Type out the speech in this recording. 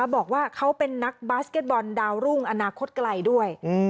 บอกว่าเขาเป็นนักบาสเก็ตบอลดาวรุ่งอนาคตไกลด้วย